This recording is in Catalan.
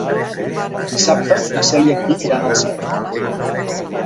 Dissabte na Cel i en Guim iran al cinema.